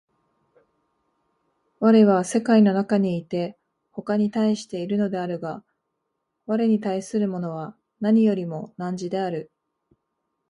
我は世界の中にいて他に対しているのであるが、我に対するものは何よりも汝である。